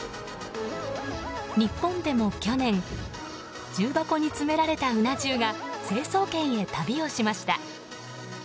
日本でも去年重箱に詰められた、うな重が成層圏へ旅をしました。